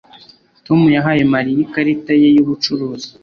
Tom yahaye Mariya ikarita ye yubucuruzi